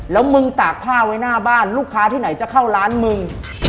แล้วมึงตากผ้าไว้หน้าบ้านลูกค้าที่ไหนจะเข้าร้านมึง